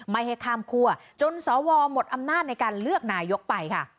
ไม่ให้ข้ามคั่วจนสวหมดอำนาจในการเลือกนายกไปค่ะ